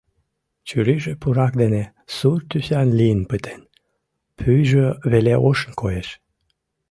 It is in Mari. Чурийже пурак дене сур тӱсан лийын пытен, пӱйжӧ веле ошын коеш.